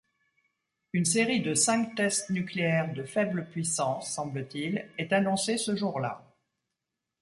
Une série de cinq tests nucléaires de faible puissance, semble-t-il, est annoncée ce jour-là.